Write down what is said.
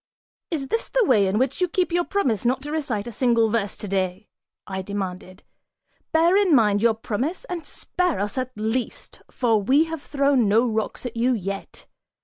"Is this the way in which you keep your promise not to recite a single verse today?" I demanded; "bear in mind your promise and spare us, at least, for we have thrown no rocks at you yet.